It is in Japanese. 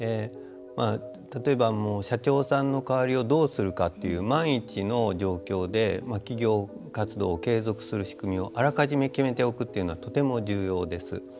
例えば、社長さんの代わりをどうするかという万一の状況で企業活動を継続する仕組みをあらかじめ決めておくというのはとても重要です。